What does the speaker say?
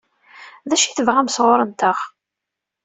D acu i tebɣam sɣur-nteɣ?